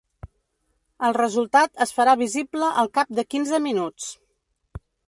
El resultat es farà visible al cap de quinze minuts.